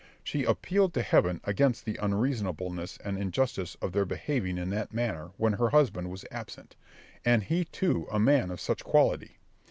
She appealed to heaven against the unreasonableness and injustice of their behaving in that manner when her husband was absent, and he too a man of such quality.